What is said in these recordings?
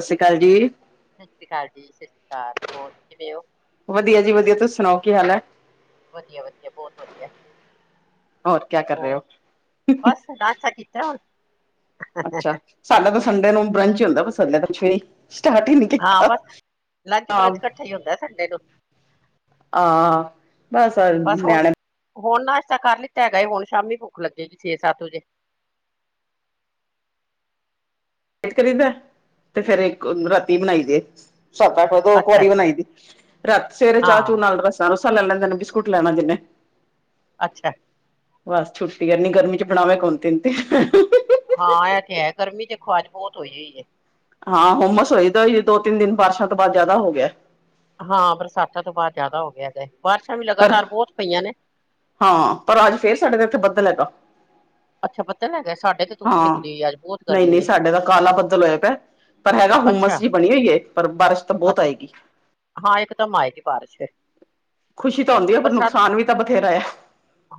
ਸਸ਼੍ਰੀ ਕਾਲ ਜੀ। ਸਸ਼੍ਰੀ ਕਾਲ ਜੀ, ਸਸ਼੍ਰੀ ਕਾਲ ਹੋਰ ਕਿਵੇਂ ਅੋ। ਵਧੀਆ ਜੀ ਵਧੀਆ ਤੁਸੀ ਸੁਣਾਓ ਕੀ ਹਾਲ ੲੈ। ਵਧੀਆ-ਵਧੀਆ ਬੋਤ ਵਧੀਆ ਹੋਰ ਕਿਆ ਕਰ ਰਹੇ ਹੋਰ, ਹੋ ਬੱਸ ਨਾਸਾ ਕੀਤਾ ਹੋਣ ਅੱਛਾ ਸਾਡਾ ਤਾਂ ਸੰੰਡੇ ਨੂੰ ਬਰੰਚ ਈ ਹੁੰਦਾ, ਬਸ ਸੰਡੇ ਤਾ ਕੁਛ ਵੀ ਨੀ ਤੇ ਸਟਾਟੀ ਨੀ। ਹਾਂ ਬਸ ਲੰਚ-ਬਰਜ ਕੱਠਾ ਈ ਹੁੰਦਾ ਸੰਡੇ ਨੂੰ ਆ, ਬਸ ਨੇਆਣੇ ਹੋਣ ਨਾਸ਼ਤਾਂ ਕੱਰ ਲਿੱਤਾ ਹੈਗਾਏ ਹੁਣ ਸ਼ਾਮੀ ਭੁੱਖ ਲੱਗੇਗੀ ਛੇ-ਸੱਤ ਵਜੇ ਏਕ ਰੇਦਾ, ਤੇ ਫੇਰ ਏਕ ਰਾਤੀ ਬਣਾਈ ਦੀ ਸੱਤ-ਅੱਠ ਵ ਦੋ ਕੁਵਾਰੀ ਅੱਛਾ-ਅੱਛਾ, ਬਣਾਈ ਦੀ, ਰਾਤ ਸਵੇਰੇ ਚਾਹ-ਚੂ ਹਾਂ, ਨਾਲ ਰੱਸਾਂ-ਰੁੱਸਾ ਲੈ ਲੈਂਦੇ ਬਿਸਕੁਟ ਲੈਣਾ ਜਿੰਨੇ ਅੱਛਾ। ਬਸ ਛੁੱਟੀ ਅਨੀ ਗਰਮੀ ਚ ਬਣਾਵੇੈ ਕੌਣ ਤਿੰਨ-ਤਿੰਨ ਹਾਂ ਐਤੇ ਹੈ ਗਰਮੀ ਤੇ ਖੁਵਾਜ ਬੋਤ ਹੋਈ ਹੁਈ ੲੈ। ਹਾਂ ਹੁਮਸ ਹੋਈਦਾਈ ਦੋ-ਤਿੰਨ ਦਿਨ ਬਾਰਸ਼ਾਂ ਤੋਂ ਬਾਅਦ ਜਾਦਾ ਹੋ ਗੇਆ। ਹਾਂ ਬਰਸਾਤਾਂ ਤੋਂ ਬਾਅਦ ਜਾਦਾ ਹੋ ਗੇਆ ਦੈ, ਬਾਰਿਸ਼ਾਂ ਵੀ ਪਰ ਲਗਾਤਾਰ ਬੋਤ ਪਈਆ ਨੇ ਹਾਂ, ਪਰ ਅੱਜ ਫੇਰ ਸਾਡੇ ਤੇ ਏਥੇ ਬੱਦਲ ਹੈਗਾ ਅੱਛਾ ਬੱਦਲ ਹੈਗਾ, ਏ? ਸਾਡੇ ਤੇ ਧੁੱਪ ਹਾਂ, ਨਿਕਲੀ ਹੋਈ ਹੈ, ਅੱਜ ਬਹੁਤ ਗਰਮੀ ਨਈ-ਨਈ ਏ, ਸਾਡੇ ਦਾ ਕਾਲਾ ਬੱਦਲ ਹੋਏਆ ਪੈ ਪਰ ਹੈਗਾ ਹੁਮਸ ਜੀ ਅੱਛਾ-ਅੱਛਾ, ਬਣੀ ਹੋਈ ਏ ਪਰ ਬਾਰਸ਼ ਤਾਂ ਬੋਤ ਆਏਗੀ ਹਾਂ ਏਕ ਦਮ ਆਏਗੀ ਬਾਰਸ਼ ਫੇਰ ਖੁਸ਼ੀ ਤਾਂ ਹੁੰਦੀ ੲੈ ਪਰ ਨੁਕਸਾਨ ਵੀ ਤਾਂ ਬਥੇਰੈ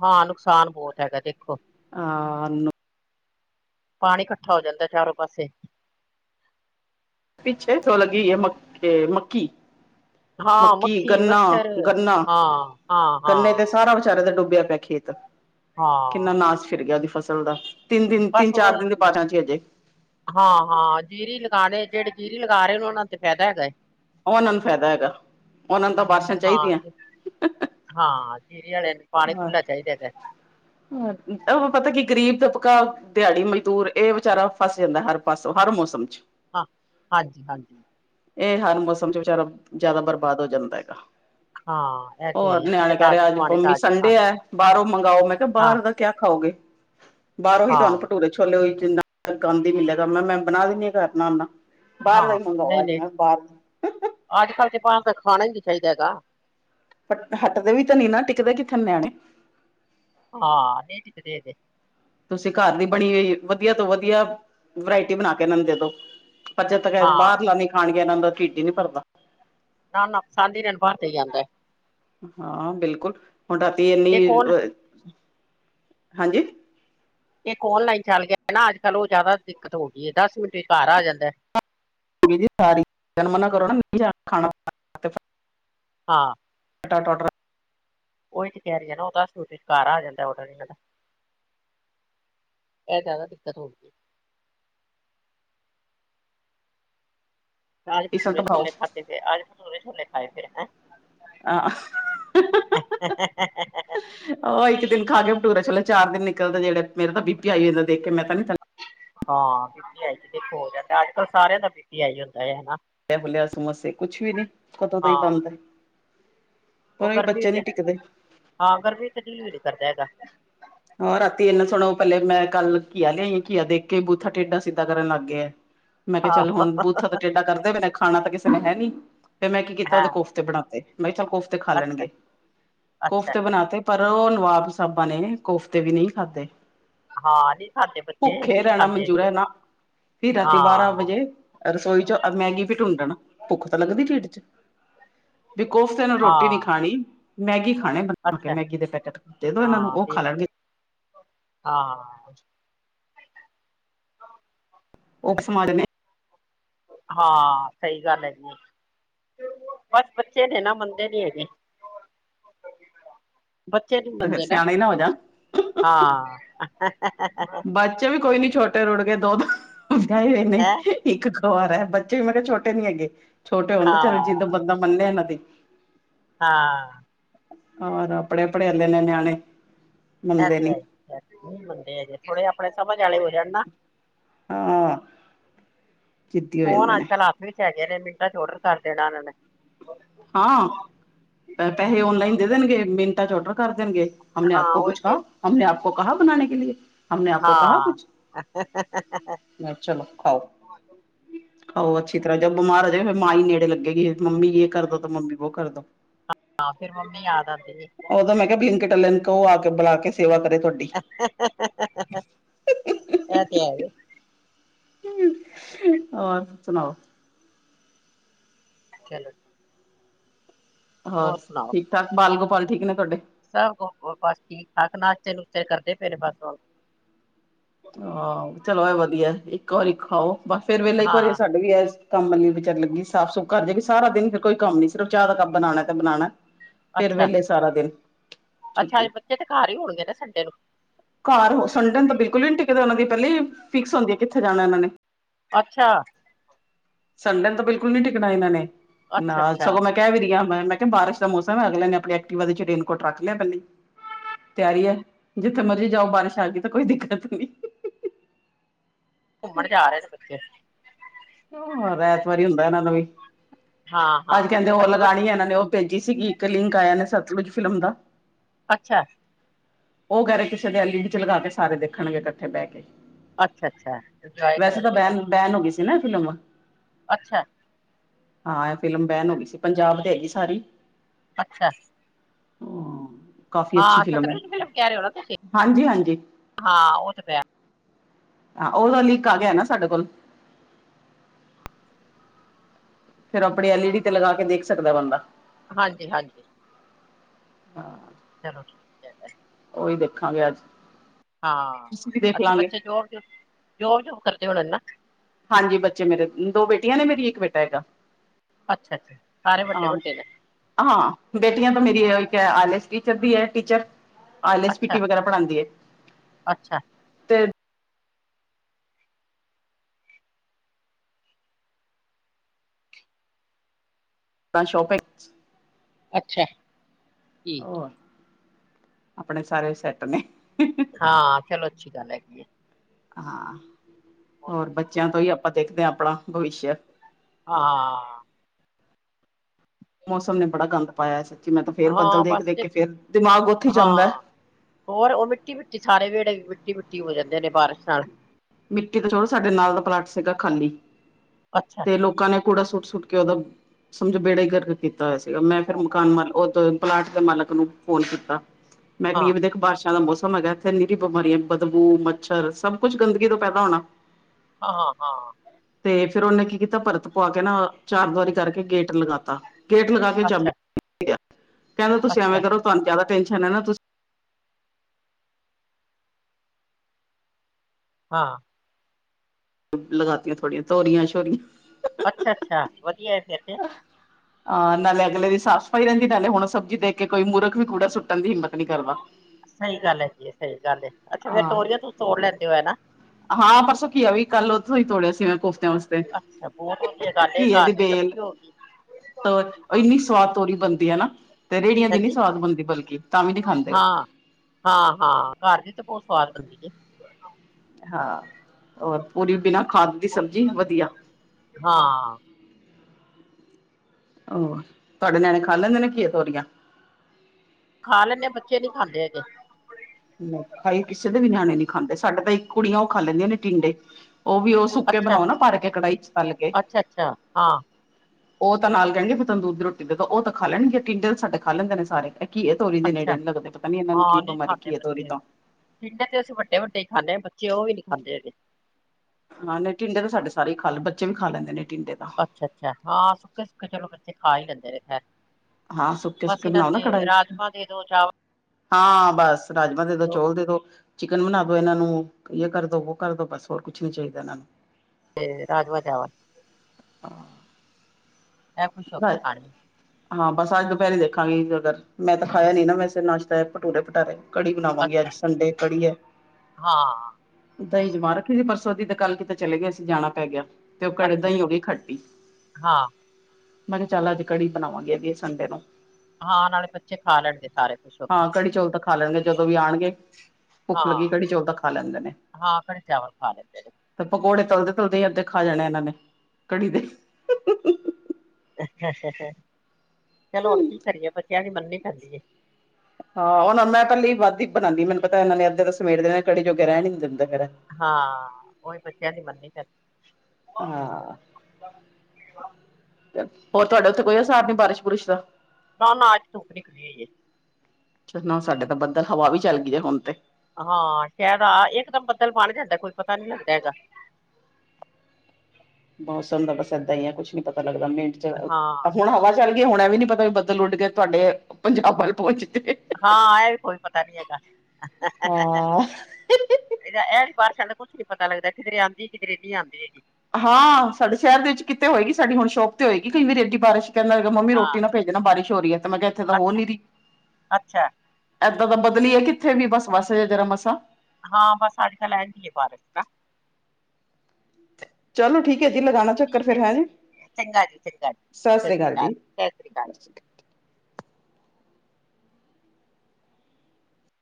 ਹਾਂ ਨੁਕਸਾਨ ਬਹੁਤ ਹੈਗਾ ਦੇਖੋ। ਆ ਨੂੰ ਪਾਣੀ ਕਠਾ ਹੋ ਜਾਦਾ ਚਾਰੋ ਪਾਸੇ। ਪਿੱਛੇ ਥੋ ਲਗੀ ਏ ਮ ਮੱਕੀ। ਹਾਂ ਮੱਕੀ, ਮੱਖੀ ਗੰਨਾ, ਮੱਛਰ ਗੰਨਾ, ਹਾਂ ਹਾਂ ਗੰਨੇ ਤੇ ਹਾਂ ਸਾਰਾ ਵਿਚਾਰੇ ਦਾ ਡੁੱਬਿਆ ਪਿਆ ਖੇ। ਤ, ਕਿੰਨਾ ਹਾਂ ਨਾਸ਼ ਫਿਰ ਗਿਆ ਓਦੀ ਫਸਲ ਦਾ ਤਿੰਨ ਦਿਨ ਤਿੰਨ-ਚਾਰ ਦਿਨ ਦੇ ਬਾਚਾ ਚ ਅਜੇ। ਹਾਂ-ਹਾਂ ਜੀਰੀ ਲਗਾਣੇ, ਜੇੜੇ ਜੀਰੀ ਲਗਾ ਰੇ ਨੇ ਓਨਾਂ ਨੂੰ ਤੇ ਫੈਦਾ ਹੈਗਾ ਏ। ਓਨਾਂ ਨੂੰ ਫੈਦਾ ਹੈਗਾ, ਓਨਾਂ ਨੂੰ ਤਾਂ ਬਾਰਸ਼ਾ ਚਾਈ ਹਾਂ ਦੀਆ। ਤੇ- ਹਾਂ, ਜੀਰੀ ਆਲੇ ਨੂੰ ਪਾਣੀ ਖੁੱਲਾ ਚਾਈਦਾ ਹੈਗਾ। ਹਾਂ ਉਹ ਪਤਾ ਕੀ ਗਰੀਬ ਦਬਕਾ ਦਿਹਾੜੀ ਮਜ਼ਦੂਰ ਇਹ ਵਿਚਾਰਾ ਫਸ ਜਾਂਦਾ ਹਰ। ਪਾਸੋਂ ਹਰ ਮੌਸਮ ਚ। ਹਾਂ ਹਾਂਜੀ-ਹਾਂਜੀ। ਇਹ ਹਰ ਮੌਸਮ ਚ ਵਿਚਾਰਾ ਜ਼ਿਆਦਾ ਬਰਬਾਦ ਹੋ ਜਾਂਦਾ ਗਾ। ਹਾਂ ਇਹ ਤੇ ਹੈਏੇ ਜੇ ਤਾਜ਼ੇ ਖਮਾਣੇ ਤਾਜ਼ੇ। ਜਿਹੜੇਆ ਬਾਹਰੋਂ ਮੰਗਾਓ ਮੈਂ ਕਿਹਾ ਬਾਰ ਦਾ ਕਿਆ ਖਾਓਗੇ ਬਾਰੋਂ ਹੀ ਤੁਹਾਨੂੰ ਹਾਂ ਭਟੂਰੇ। ਛੋਲੇ ਗੰਦ ਹੀ ਮਿਲੇਗਾ ਮੈਂ ਮੈਂ ਬਣਾ ਦਿਨੀ ਘਰ ਨਾਲ-ਨਾਲ। ਬਾਰ ਦਾ ਹਾਂ ਹੀ ਮੰਗਾਓ ਨਹੀਂ ਅੱਜ ਨਹੀਂ ਮੈਂ ਬਾਰ ਦਾ। ਅੱਜ ਕੱਲ੍ਹ ਤਾਂ ਬਾਰ ਦਾ ਖਾਣਾ ਈ ਨੀ ਚਾਹੀਦਾ ਹੈਗਾ। ਪ ਹੱਟਦੇ ਵੀ ਤਾਂ ਨੀ ਨਾ ਟਿਕਦੇ ਕਿੱਥੇ ਨਿਆਣੇ। ਹਾਂ ਨਈ ਟਿਕਦੇ ਹੈਗੇ। ਤੁਸੀਂ ਘਰ ਦੀ ਬਣੀ ਹੋਈ ਵਧੀਆ ਤੋਂ ਵਧੀਆ ਵਰਾਇਟੀ ਬਣਾ ਕੇ ਇਨਾਂ ਨੂੰ ਦੇ ਦੋ। ਪਰ ਜਦ ਤੱਕ ਇਹ ਹਾਂ ਬਾਰ ਲਾਨੀ ਖਾਣਗੇ ਇਨਾਂ ਦਾ ਢਿੱਡ ਈ ਨੀ ਭਰਦਾ। ਨਾ ਨਾ ਪਸੰਦ ਈ ਇਨਾਂ ਨੂੰ ਬਾਹਰ ਦਾ ਈ ਆਂਦਾ। ਹਾਂ ਬਿਲਕੁਲ ਹੁਣ ਰਾਤੀ ਇਹ ਇੰਨੀ, ਕੌਣ ਹਾਂਜੀ ਇੱਕ ਔਨਲਾਈਨ ਚੱਲ ਗਿਆ ਨਾ ਅੱਜ ਕੱਲ ਉਹ ਜ਼ਿਆਦਾ ਦਿੱਕਤ ਹੋ ਗਈ ਏ ਦਸ ਮਿੰਟ ਵਿਚ ਘਰ ਆ ਜਾਂਦਾ। [unintelligible] ਹਾਂ। ਫਟਾਫਟ ਔਡਰ। ਉਈ ਤੇ ਕਹਿ ਰਹੀ ਨਾ ਉਹਦਾ ਦਸ ਮਿੰਟ ਵਿੱਚ ਘਰ ਆ ਜਾਂਦਾ ਨਾ ਆਡਰ। ਇਹ ਜ਼ਿਆਦਾ ਦਿੱਕਤ ਹੋਗੀ। ਅੱਜ ਭਟੂਰੇ ਛੋਲੇ ਖਾਦੇ ਤੇ ਅੱਜ ਭਟੂਰੇ ਛੋਲੇ ਖਾਏ ਫੇਰ ਹੈਂ। ਆਹ। ਆ ਇੱਕ ਦਿਨ ਖਾ ਕੇ ਭਟੂਰੇ ਛੋਲੇ ਚਾਰ ਦਿਨ ਨਿਕਲਦਾ ਜਿਹੜੇ ਮੇਰੇ ਤਾਂ ਬੀਪੀ ਹਾਈ ਹੋ ਜਾਂਦਾ ਦੇਖ ਮੈਂ ਤਾਂ ਨੀ ਹਾਂ ਬੀਪੀਹਾਈ ਦੇਖੋ ਹੋ ਜਾਂਦਾ ਅੱਜ ਕੱਲ੍ਹ ਸਾਰਿਆਂ ਦਾ ਬੀਪੀਹਾਈ ਹੁੰਦਾ ਐ ਹਨਾ। ਤਲਿਆ ਫੁਲਿਆ ਸਮੋਸੇ ਕੁਛ ਵੀ ਨੀ ਕਦੋਂ ਦਾ ਹਾਂ ਈ ਬੰਦ ਐ। ਉਹ ਗਰਮੀ ਤੇ ਹੈ, ਹਾਂ ਗਰਮੀ ਚ ਤਾਂ ਜੀਵੀ ਨਹੀਂ ਕਰਦਾ ਹੈਗਾ। ਹਾਂ ਰਾਤੀ ਇੰਨਾ ਸੋਹਣਾ ਪਹਿਲੇ ਮੈਂ ਕੱਲ ਘੀਆ ਲਿਆਈ ਘੀਆ ਦੇਖ ਕੇ ਬੂਥਾ ਟੇਡਾ ਸਿੱਧਾ ਕਰਨ ਲੱਗ ਗਏ ਏ। ਮੈਂ ਕਿਹਾ ਆਹ ਚੱਲ ਹੁਣ ਬੂਥਾ ਤਾਂ ਟੇਡਾ। ਕਰਦੇ ਖਾਣਾ ਤਾਂ ਕਿਸੇ ਨੇ ਹੈ ਨੀ ਫਿਰ ਮੈਂ ਕੀ ਕੀਤਾ ਹੈ ਉਹਦੇ ਕੋਫਤੇ ਬਣਾ ਤੇ ਮੈਂ ਕਿਹਾ ਚੱਲ ਕੋਫਤੇ ਖਾ ਅੱਛਾ ਲੈਣਗੇ ਅੱਛਾ ਕੋਫਤੇ ਬਣਾ ਤੇ। ਪਰ ਉਹ ਨਵਾਬ ਸਾਹਬਾ ਨੇ ਕੋਫਤੇ ਵੀ ਨਈ ਖਾਧੇ। ਹਾਂ ਨਹੀਂ ਖਾਂਦੇ ਬੱਚੇ ਭੁੱਖੇ ਨਹੀਂ ਰਹਿਣਾ ਖਾਂਦੇ ਮੰਨਜੂਰ ਹੈਗੇ ਆ ਨਾ ਫੇਰ ਰਾਤੀ ਬਾਰਾਂ ਹਾਂ ਵੱਜੇ। ਰਸੋਈ ਚ ਮੈਗੀ ਵੀ ਟੂੰਡਣ ਭੁੱਖ ਤਾਂ ਲੱਗਦੀ ਢਿੱਡ ਚ। ਵੀ ਕੋਫਤੇ ਨਾਲ ਰੋਟੀ ਨੀ ਹਾਂ ਖਾਣੀ। ਮੈਗੀ ਖਾਣੀ ਬਣਾ ਕੇ ਅੱਛਾ ਮੈਗੀ ਦੇ ਪੈਕਟ ਦੇਦੋ ਇਹਨਾਂ ਨੂੰ ਹਾਂ ਉਹ ਖਾ ਦੇਖੋ ਲੈਣਗੇ। ਹਾਂ। [unintelligible] ਹਾਂ, ਸਈ ਗੱਲ ਏ ਜੀ। ਬਸ ਬੱਚੇ ਨੇ ਨਾ ਮੰਨਦੇ ਨੀ ਹੈਗੇ। ਬੱਚੇ ਨੀ ਤੇ ਫਿਰ ਮੰਨਦੇ ਸਿਆਣੇ ਨਾ ਹੋ ਜਾਣ। ਹਾਂ। ਬੱਚੇ ਵੀ ਕੋਈ ਨੀ ਛੋਟੇ ਰੁੜ ਗਏ ਦੋ ਤਾਂ ਨਈ ਨਈ ਹੈਂ ਇੱਕ ਕਵਾਰਾ ਬੱਚੇ ਵੀ ਮੈਂ ਕਿਹਾ ਛੋਟੇ ਨੀ ਹੈਗੇ, ਛੋਟੇ ਹੁੰਦੇ ਚਲੋ ਹਾਂ ਜਿੰਦੋਂ ਬੰਦਾ ਮੰਨੇ ਇਹਨਾਂ ਦੀ। ਹਾਂ। ਹੋਰ ਆਪੜੇ-ਆਪੜੇ ਹੁਂਦੇ ਨੇ ਨਿਆਣੇ ਐ ਮੰਨਦੇ ਤੇ ਨੀ ਹੈ ਈ ਐ [inaudible] ਥੋੜੇ ਆਪਣੇ ਸਮਝ ਆਲੇ ਹੋ ਜਾਣ ਨਾ ਹਾਂ ਜਿੱਦੀ ਹੋ ਜਾਂਦੇ ਫੋਨ ਅੱਜ ਨੇ ਕੱਲ [inaudible] ਵਿੱਚ ਹੈਗੇ ਨੇ ਮਿੰਟਾਂ ਚ ਔਡਰ ਕਰ ਦੇਣਾ ਏਨਾਂ ਨੇ। ਹਾਂ ਪੈਹੇ ਓਨਲਾਈਨ ਦੇ ਦੇਣਗੇ ਮਿੰਟਾਂ ਚ ਔਡਰ ਕਰ ਦੇਣਗੇ ਹਮ ਨੇ ਹਾਂ ਆਪ ਕੋ ਉਹੀ ਕੁਛ ਤੇ ਕਹਾ, ਹਮ ਨੇ ਆਪ ਕੋ ਕਹਾ ਬਨਾਨੇ ਕੇ ਲਿਏ ਹਮ ਨੇ ਆਪ ਕੋ ਕਹਾ ਹਾਂ ਕੁਛ। [inaudible] ਲੈ ਚਲੋ ਖਾਓ। ਆਹੋ ਅੱਛੀ ਤਰ੍ਹਾਂ ਜਬ ਬਿਮਾਰ ਹੋ ਜਾਏਗੀ ਫਿਰ ਮਾਂ ਹੀ ਨੇੜੇ ਲੱਗੇਗੀ ਮੰਮੀ ਯੇ ਕਰ ਦੋ ਮੰਮੀ ਵੋ ਕਰਦੋ। ਹਾਂ ਫੇਰ ਮੰਮੀ ਯਾਦ ਆਂਦੀ ਏ। ਓਦੋਂ ਮੈਂ ਕਿਆ ਬਲਿੰਕਿਟ ਲਿੰਕ ਓ ਆ ਕੇ ਬੁਲਾ ਕੇ ਸੇਵਾ ਕਰੇ ਤੁਹਾ ਐ ਤੇ ਹੈ ਏ। ਹੋਰ ਸੁਣਾਓ? ਚਲੋ ਹੋਰ ਠੀਕ-ਠਾਕ ਬਾਲ ਗੋਪਾਲ ਠੀਕ ਨੇ ਤੁਹਾਡੇ? ਸਭ ਕੁ ਬਸ ਠੀਕ-ਠਾਕ ਨਾਸ਼ਤੇ-ਨੁਸ਼ਤੇ ਕਰਦੇ ਪਏ ਨੇ ਬਸ [unintelligible] ਆਓ ਚਲੋ ਐ ਵਧੀਆ ਇੱਕ ਵਾਰੀ ਖਾਓ, ਬਸ ਫੇਰ ਵੇਲੇ ਇੱਕ ਵਾਰੀ ਹਾਂ ਸਾਡੇ ਵੀ [unintelligible] ਕੰੰਮ ਵਾਲੀ ਵਿਚਾਰੀ ਲੱਗੀ ਸਾਫ਼ ਸੁਫ਼ ਕਰ ਦੇਗੀ, ਸਾਰਾ ਦਿਨ ਫਿਰ ਕੋਈ ਕੰਮ ਨੀ ਸਿਰਫ ਚਾਹ ਦਾ ਕਪ ਬਣਾਣਾ ਤੇ ਬਣਾਨੈ। ਫੇਰ ਅੱਛਾ ਵੇਲੇ ਸਾਰਾ ਦਿਨ। ਅੱਛਾ ਛੁੱਟੀ ਅੱਜ ਬੱਚੇ ਤੇ ਘਰ ਹੀ ਹੋਣਗੇ ਨਾ ਸੰਡੇ ਨੂੰ ਘਰ ਸੰਡੇ ਨੂੰ ਤਾਂ ਬਿਲਕੁੱਲ ਈ [unintelligible] ਤੇ ਓਨਾਂ ਦੀ ਪੈਲੀ ਫਿਕਸ ਹੁੰਦੀ ਐ ਕਿੱਥੇ ਜਾਣਾ ਏਨਾਂ ਨੇ। ਅੱਛਾ। ਸੰਡੇ ਨੂੰ ਤਾਂ ਬਿਲਕੁੱਲ ਨੀ ਟਿਕਣਾ ਏਨਾਂ ਨੇ ਅੱਛਾ ਨਾਲ ਅੱਛਾ ਸਗੋਂ ਮੈਂ ਕੈ ਵੀ ਰਈ ਮੈਂ-ਮੈਂ ਕਿਆ ਬਾਰਸ਼ ਦਾ ਮੌਸਮ ਐ ਅਗਿਲਿਆਂ ਨੇ ਆਪਣੀ ਐਕਟੀਵਾ ਚ ਰੇਨਕੋਟ ਰੱਖ ਲਿਆ ਪੈਲੀ। ਤਿਆਰੀ ਐ ਜਿੱਥੇ ਮਰਜ਼ੀ ਜਾਓ ਬਾਰਿਸ਼ ਆ ਗਈ ਤਾਂ ਕੋਈ ਦਿੱਕਤ ਨੀ। ਘੁੰਮਣ ਜਾ ਰੇ ਨੇ ਬੱਚੇ। [unintelligible] ਤਵਾਰੀ ਹੁੰਦਾ ਐਨਾਂ ਦਾ ਵੀ ਹਾਂ ਹਾਂ ਅੱਜ ਕੇਂਦੇ ਹੋਰ ਅੱਛਾ ਲਗਾਣੀ ਆ ਏਨਾਂ ਨੇ ਓ ਭੇਜੀ ਸੀਗੀ ਇੱਕ ਲਿੰਕ ਆਇਆ ਨਾ ਸਤਲੁਜ ਫਿਲਮ ਦਾ। ਅੱਛਾ। ਓ ਕੈਰੇ ਕਿਸੇ ਦੇ ਐਲ ਈਡ ਚ ਲਗਾ ਕੇ ਸਾਰੇ ਦੇਖਣਗੇ ਇਕੱਠੇ ਬੈ ਕੇ। ਅੱਛਾ ਅੱਛਾ ਇੰਜੋਏ ਵੈਸੇ ਤਾਂ ਕਰਨਗੇ ਬਸ ਬੈਨ-ਬੈਨ ਹੋਗੀ ਸੀ ਨਾ ਏ ਫਿਲਮ। ਅੱਛਾ ਹਾਂ ਐ ਫਿਲਮ ਬੈਨ ਹੋਗੀ ਸੀ ਪੰਜਾਬ ਤੇ ਹੈਗੀ ਸਾਰੀ। ਅੱਛਾ। ਹਾਂ ਕਾਫੀ ਅੱਛੀ ਹਾਂ ਫਿਲਮ ਐ ਸਤਲੁਜ ਕਹਿ ਰਹੇ ਹੋ ਨਾ ਤੁਸੀਂ ਹਾਂਜੀ-ਹਾਂਜੀ। ਹਾਂ ਓ ਤਾਂ [unintelligible] ਹਾਂ ਓਦਾ ਲਿੰਕ ਆ ਗਿਆ ਨਾ ਸਾਡੇ ਕੋਲ। ਫੇਰ ਆਪਣੀ ਐਲ ਈ ਡੀ ਤੇ ਲਗਾ ਕੇ ਦੇਖ ਸਕਦਾ ਬੰਦਾ। ਹਾਂਜੀ-ਹਾਂਜੀ। ਹਾਂ। ਚਲੋ ਠੀਕ। ਹੈ ਓਈ ਦੇਖਾਂਗੇ ਅੱਜ। ਹਾਂ ਤੁਸੀਂ ਵੀ ਦੇਖ ਅੱਛਾ ਲਾਂਗੇ ਬੱਚੇ ਜੋਬ-ਜੁਬ ਜੋਬ-ਜੁਬ ਕਰਦੇ ਹੋਣੇ ਨਾ। ਹਾਂਜੀ, ਬੱਚੇ ਮੇਰੇ ਦੋ ਬੇਟੀਆਂ ਨੇ ਮੇਰੀ ਇੱਕ ਬੇਟਾ ਹੈਗਾ। ਅੱਛਾ-ਅੱਛਾ ਸਾਰੇ ਵੱਡੇ ਹਾਂ -ਵੱਡੇ ਨੇ। ਹਾਂ ਬੇਟੀਆਂ ਤਾਂ ਮੇਰੀ ਇੱਕ ਐ ਆਈਲਟਸ ਟੀਚਰ ਦੀ ਐ ਟੀਚਰ ਹਾਲੇ ਅੱਛਾ ਸਪੀਟੀ ਵਗੈਰਾ ਪੜਾਂਦੀ ਏ। ਅੱਛਾ। ਤਾਂ ਸ਼ੋਪਿੰਗਸ- ਅੱਛਾ। ਠੀਕ ਹੈ। ਹੋਰ, ਅਪਣੇ ਸਾਰੇ ਸੈਟ ਨੇ। ਹਾਂ, ਚਲੋ ਅੱਛੀ ਗੱਲ ਹੈਗੀ ਏ। ਹਾਂ ਹੋਰ ਬੱਚਿਆਂ ਤੋਂ ਈ ਆਪਾਂ ਦੇਖਦੇ ਆ ਅਪਣਾ ਭਵਿਸ਼ਯ ਹਾਂ ਆਂ। ਮੌਸਮ ਨੇ ਬੜਾ ਗੰਦ ਪਾਯਾ ਸੱਚੀ ਮੈਂ ਤਾਂ ਫੇਰ ਬਦੱਲ ਹਾਂ ਬਸ ਦੇਖ-ਦੇਖ ਕੇ ਦੇਖੋ ਫੇਰ ਦਿਮਾਗ ਓਥੇ ਈ ਹਾਂ ਜਾਂਦਾ। ਹੋਰ ਓ ਮਿੱਟੀ-ਮਿੱਟੀ ਸਾਰੇ ਵੇਹੜੇ ਮਿੱਟੀ-ਮਿੱਟੀ ਹੋ ਜਾਂਦੇ ਨੇ ਬਾਰਸ਼ ਨਾਲ। ਮਿੱਟੀ ਦਾ ਛੋੜੋ ਸਾਡੇ ਨਾਲ ਦਾ ਪੱਲਾਟ ਸੀਗਾ ਖਾਲੀ ਅੱਛਾ। ਤੇ ਲੋਕਾਂ ਨੇ ਕੂੜਾ ਸੁੱਟ-ਸੁੱਟ ਕੇ ਓਦਾ ਸਮਝੋ ਬੇੜਾ ਈ ਗਰਕ ਕੀਤਾ ਹੋਯਾ ਸੀਗਾ, ਮੈਂ ਫੇਰ ਓਹੋ ਮਕਾਨ ਮਾਲਕ ਓਦੋ ਪੱਲਾਟ ਦੇ ਮਾਲਕ ਨੂੰ ਫੋਨ ਕੀਤਾ ਮੈਂ ਹਾਂ ਕੇਆ ਵੀ ਦੇਖ ਬਾਰਿਸ਼ਾਂ ਦਾ ਮੌਸਮ ਹੈਗਾ ਐ ਨੀਰੀ ਬਿਮਾਰੀ ਹੈ। ਬਦਬੂ, ਮੱਛਰ ਸਭ ਕੁਛ ਗੰਦਗੀ ਤੋਂ ਪੈਦਾ ਹੋਣਾ ਹਾਂ-ਹਾਂ। ਤੇ ਫੇਰ ਓਨੇ ਕੀ ਕੀਤਾ ਭਰਤ ਪਵਾ ਕੇ ਨਾ ਚਾਰਦਵਾਰੀ ਕਰਕੇ ਗੇਟ ਲਗਾ ਤਾ। ਗੇਟ ਲਗਾ ਕੇ ਚਾਬੀ ਅੱਛਾ ਦਿਤੀ ਆ, ਕੈਂਦਾ ਤੁਸੀਂ ਐਵੇਂ ਅੱਛਾ ਕਰੋ ਤੁਆਨੂੰ ਜਾਦਾ ਟੈਨਸ਼ਨ ਐ ਨਾ, ਤੁਸੀਂ ਹਾਂ। ਸਬਜ਼ੀ ਲਗਾਤੀਆਂ ਥੋੜਿਆ ਤੋਰੀਆਂ-ਸ਼ੋਰੀਆਂ ਅੱਛਾ-ਅੱਛਾ, ਵਧੀਆ ਫੇਰ ਤੇ। ਆਂਹ ਨਾਲੇ ਅਗਲੇ ਦੀ ਸਾਫ਼-ਸਫ਼ਾਈ ਰੈਂਦੀ, ਨਾਲੇ ਹੁਣ ਸਬਜ਼ੀ ਦੇਖ ਕੇ ਕੋਈ ਮੂਰਖ ਵੀ ਕੂੜਾ ਸੁੱਟਣ ਦੀ ਹਿੰਮਤ ਨੀ ਕਰਦਾ। ਸਈ ਗੱਲ ਐ ਹੈਗੀ ਸਹੀ ਗੱਲ ਏ। ਅੱਛਾ ਫੇਰ ਹਾਂ ਤੋਰੀਆਂ ਤੁਸੀ ਤੋੜ ਲੈਂਦੇ ਔ, ਹੈਨਾ। ਹਾਂ ਪਰਸੋਂ ਕੀਆ ਵੀ ਕੱਲ ਓੱਥੋਂ ਈ ਤੋੜਿਆ ਸੀ ਮੈਂ ਕੋਫਤਿਆਂ ਵਾਸਤੇ। ਐ ਬੋਹਤ ਵਧੀਆ ਗੱਲ ਏ ਘੀਏ ਘਾਰ ਦੀ ਬੇਲ ਸਬਜ਼ੀ ਹੋਰ ਕੀ ਤੋਂ ਇੰਨੀ ਸਵਾਦ ਤੋਰੀ ਬਣਦੀ ਏ ਨਾ ਤੇ ਰੇੜੀਆਂ ਦੀ ਨੀ ਹਾਂਜੀ ਸਵਾਦ ਬਣਦੀ ਬਲਕਿ ਤਾਂ ਵੀ ਨੀ ਖਾਂਦੇ ਓ ਹਾਂ-ਹਾਂ, ਘਾਰ ਦੀ ਤੇ ਬੋਤ ਸਵਾਦ ਬਣਦੀ ਏ। ਹਾਂ ਹੋਰ ਪੂਰੀ ਬਿਨਾਂ ਖਾਦ ਦੀ ਸਬਜ਼ੀ, ਵਧੀਆ। ਹਾਂ। ਹੋਰ ਤਾਡੇ ਨਿਆਣੇ ਖਾ ਲੈਂਦੇ ਨੇ ਕੀਆ, ਤੋਰੀਆਂ। ਖਾ ਲੈਂਦੇ ਏ, ਬੱਚੇ ਨੀ ਖਾਂਦੇ ਹੈਗੇ। ਹਾਏ ਕਿਸੇ ਦੇ ਵੀ ਨਿਆਣੇ ਨੀ ਖਾਂਦੇ। ਸਾਡੇ ਤਾਂ ਇੱਕ ਕੁੜੀਆਂ ਓ ਖਾ ਲੈਂਦੀਆਂ ਨੇ ਟਿੰਡੇ, ਓ ਵੀ ਓਸ ਸੁੱਕੇ ਅੱਛਾ ਬਣਾਓ ਨਾ ਪਰ ਕੇ, ਕੜਾਈ ਚ ਤੱਲ ਕੇ ਅੱਛਾ ਅੱਛਾ ਹਾਂ ਓ ਤਾਂ ਨਾਲ ਕੈਂਗੇ ਵੀ ਤੰਦੂਰ ਦੀ ਰੋਟੀ ਦੇਦੋ, ਓ ਤਾਂ ਖਾ ਲੈਣਗੇ ਟਿੰਡੇ ਤੇ ਸਾਡੇ ਖਾ ਲੈਂਦੇ ਨੇ ਸਾਰੇ। ਐ ਕੀਏ-ਤੋਰੀ ਦੇ ਨੇੜੇ ਅੱਛਾ ਨੀ ਲੱਗਦੇ, ਪਤਾ ਨੀ ਏਨਾਂ ਨੂੰ ਕੀ ਹਾਂ ਨਹੀਂ ਬਿਮਾਰੀ ਖਾਂਦੇ ਘੀਏ ਤੋਰੀ ਬੱਚੇ ਤੋਂ ਟਿੰਡੇ ਤੇ ਅਸੀਂ ਵੱਡੇ-ਵੱਡੇ ਈ ਖਾਂਣੇ ਆਂ। ਬੱਚੈ ਓ ਵੀ ਨੀ ਖਾਂਦੇੇ ਹੈਗੇ। ਹਾਂ ਨਈ ਟਿੰਡੇ ਤਾਂ ਸਾਡੇ ਸਾਰੇ ਹੀ ਖਾ ਲੈਂਦੇ, ਬੱਚੇ ਵੀ ਖਾ ਲੈਂਦੇ ਨੇ ਟਿੰਡੇ ਤਾਂ। ਅੱਛਾ-ਅੱਛਾ, ਹਾਂ ਸੁੱਕੇ-ਸੁੱਕੇ ਚਲੋ ਬਚੇ ਖਾ ਹੀ ਲੈਂਦੇ ਨੇ ਖੈਰ ਹਾਂ ਸੁੱਕੇ ਬਸ ਸੁੱਕੇ ਏਨਾ ਬਣਾਓ ਨਾ ਦੇ ਕੜਾਹੀ ਚ। ਰਾਜਮਾਂ ਦੇਦੋ ਚਾਵ ਹਾਂ ਬਸ ਰਾਜਮਾਂ ਦੇਦੋ ਚੋਲ ਦੇਦੋ ਚਿਕਨ ਬਣਾ ਦੋ ਏਨਾਂ ਨੂੰ। ਯੇ ਕਰ ਦੋ ਵੋ ਕਰ ਦੋ ਬਸ ਹੋਰ ਕੁਛ ਨੀ ਚਾਇਦਾ ਏਨਾਂ ਨੂੰ। ਤੇ ਰਾਜਮਾ-ਚਾਵਲ ਐ ਖੁਸ਼ ਹੋ ਕੇ ਖਾਣਗੇ। ਹਾਂ ਬਸ ਅੱਜ ਦਪੈਰੇ ਦੇਖਾਂਗੀ ਨਯੂਡਲਸ ਮੈਂ ਤਾਂ ਖਾਇਆ ਨੀ ਨਾ ਵੈਸੇ ਨਾਸ਼ਤਾ, ਐ ਪਟੂਰੇ-ਪਟਾਰੇ। ਕੜੀ ਬਣਾਵਾਂਗੀ ਅੱਛਾ ਅੱਜ ਸੰਡੇ ਕੜੀ ਐ। ਹਾਂ ਦਹੀਂ ਜਮਾ ਰੱਖੀ ਸੀ ਪਰਸੋਂ ਦੀ ਤੇ ਕੱਲ ਕਿਤੇ ਚਲੇ ਗਏ ਸੀ ਜਾਣਾ ਪੈ ਗਿਆ, ਤੇ ਉਹ ਦਹੀਂ ਹੋ ਅੱਛਾ-ਅੱਛਾ, ਗਈ ਖੱਟੀ ਹਾਂ। ਮੈਂ ਕਿਹਾ ਚੱਲ ਅੱਜ ਕੜੀ ਬਣਾਵਾਂਗੀ ਏ ਵੀ ਸੰਡੇ ਨੂੰ ਹਾਂ ਨਾਲੇ ਬੱਚੇ ਖਾ ਲੈਣਗੇ ਸਾਰੇ ਖੁਸ਼ ਹੋ ਕੇ, ਹਾਂ ਕੜੀ ਚੌਲ ਤਾਂ ਖਾ ਲੈਣਗੇ, ਜਦੋਂ ਵੀ ਆਣਗੇ ਭੁੱਖ ਹਾਂ। ਲੱਗੀ, ਕੜੀ ਚੌਲ ਤੇ ਖਾ ਲੈਂਦੇ ਨੇ। ਹਾਂ, ਕੜੀ ਚਾਵਲ ਖਾ ਲੈਂਦੇ ਨੇ, ਤੇ ਪਕੌੜੇ ਤਲਦੇ- ਤਲਦੇ ਅੱਧੇ ਖਾ ਜਾਣੇ ਇਹਨਾਂ ਨੇ, ਕੜੀ ਦੇ ਹੁ ਹੁ ਹੀ ਹੀ ਅ ਅ ਅ ਚਲੋ ਹੁਣ ਕੀ ਕਰੀਏ ਬੱਚਿਆਂ ਦੀ ਮੰਨਣੀ ਪੈਂਦੀ ਏ। ਹਾਂ ਉਹ ਮੈਂ ਪਹਿਲੀ ਈ ਵੱਧ ਈ ਬਣਾਦੀ ਮੈਨੂੰ ਪਤਾ ਇਹ ਨੇ ਅੱਧੇ ਸਮੇਟ ਦੇ ਕੜੀ ਜੋਗੇ ਰਹਿਣ ਨੀ ਦਿੰਦੇ ਫ ਹਾਂ, ਉਹੀ ਬੱਚਿਆਂ ਦੀ ਮੰਨਨੀ ਪੇ ਹਾਂ, ਹੋਰ ਤੁਹਾਡਾ ਉੱਥੇ ਕੋਈ ਹਿਸਾਬ ਨੀ ਬਾਰਿਸ਼- ਬੁਰਿਸ਼ ਦਾ ਨਾ ਨਾ ਚ ਧੁੱਪ ਨਿਕਲੀਈ ਏ। ਨਾ ਸਾਡੇ ਤਾਂ ਬੱਦਲ ਹਵਾ ਵੀ ਚੱਲ ਗਈ ਐ ਹੁਣ ਤੇ ਹਾਂ ਸ਼ਾਇਦ ਆ ਇਹਦਮ ਬੱਦਲ ਬਣ ਜਾਂਦਾ ਕੋਈ ਪਤਾ ਨੀ ਲੱਗਦਾ ਹੈਗਾ। ਮੌਸਮ ਦਾ ਬਸ ਇਏਦਾਂ ਈ ਆ ਕੁਛ ਨੀ ਪਤਾ ਲੱਗਦਾ ਮਿੰਟ ਚ ਹਾਂ। ਹੁਣ ਹਵਾ ਚੱਲ ਗਏ ਹੁਣ ਵੀ ਨੀ ਪਤਾ ਵੀ ਬੱਦਲ ਉੱਡ ਕੇ ਤੁਹਾਡੇ ਪੰਜਾਬ ਵੱਲ ਪਹੁੰਚ ਕੇ ਹਾਂ ਇਹ ਵੀ ਕੋਈ ਪਤਾ ਨੀ ਹੈਗਾ ਹੇ ਹੈ ਹੈ ਹਾਂ। ਇਹਦਾ ਇਹ ਜ ਬਾਰਸ਼ਾਂ ਦਾ ਕੁਛ ਨੀ ਪਤਾ ਲੱਗਦਾ ਕਿਧਰੇ ਆਂਦੀ ਕਿਧਰੇ ਨਈ ਆਂਦੀ ਹੈਗੀ। ਹਾਂ ਸਾਡੇ ਸ਼ਹਿਰ ਦੇ ਵਿੱਚ ਕਿਤੇ ਹੋਏਗੀ, ਸਾਡੀ ਹੁਣ ਸ਼ੋਪ ਤੇ ਹੋਏਗੀ ਕਈ ਵ ਰੇਡੀ ਬਾਰਿਸ਼ ਕਹਿੰਦਾ ਮੰਮੀ ਰੋਟੀ ਹਾਂ, ਨਾ ਭੇਜਣਾ ਬਾਰਿਸ਼ ਹੋ ਰਹੀ ਐ ਤੇ ਮੈਂ ਕਿਹਾ ਇੱਥੇ ਤਾਂ ਹੋ ਨੀ ਰਹੀ। ਅੱਛਾ-ਅੱਛਾ, ਇਏਦਾਂ ਤਾਂ ਬਦਲੀ ਐ ਕਿੱਥੇ ਵੀ ਬਸ ਬਸ ਜ ਜਰਾ ਮਸਾਂ ਹਾਂ ਬਸ ਅੱਜ- ਕੱਲ੍ਹ ਆਹਂਦੀ ਐ ਬਾਰਸ਼ ਤਾਂ ਚਲੋ ਠੀਕ ਐ ਜੀ ਲਗਾਉਣਾ ਚੱਕਰ ਠੀਕ ਏ ਫਿਰ ਹੈ ਜੀ, ਠੀਕ ਹੈ, ਚੰਗਾ ਜੀ, ਚੰਗਾ ਜੀ, ਸਸਿ ਸਤਿ ਸ੍ਰੀ ਸ੍ਰੀਕਾਲ ਅਕਾਲ, ਜੀ, ਸਤਿ ਸ੍ਰੀ ਅਕਾਲ। ਸਸਿ ਸ਼੍ਰੀ ਅਕ